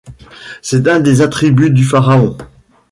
C'est un des attributs du pharaon.